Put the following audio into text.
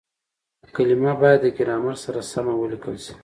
کليمه بايد د ګرامر سره سمه وليکل سي.